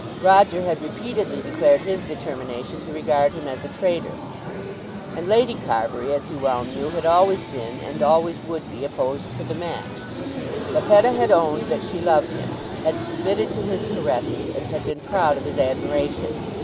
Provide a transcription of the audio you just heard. Roger had repeatedly declared his determination to regard him as a traitor. And Lady Carbury, as he well knew, had always been and always would be opposed to the match. But Hetta had owned that she loved him, had submitted to his caresses, and had been proud of his admiration.